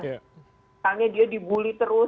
misalnya dia dibully terus